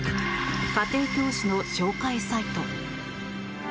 家庭教師の紹介サイト。